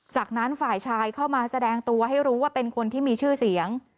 จากนั้นฝ่ายชายเข้ามาแสดงตัวให้รู้ว่าเป็นคนที่มีชื่อเสียง